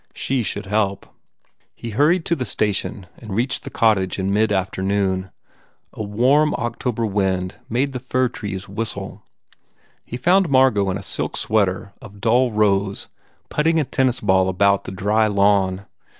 She should help. He hurried to the station and reached the cottage in mid afternoon. A warm October wind made the fir trees whistle. He found Margot in a silk sweater of dull rose put ting a tennis ball about the dry lawn.